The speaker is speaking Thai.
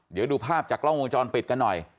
เดี๋ยวดูภาพจากกล้องวงจรปิดกันหน่อย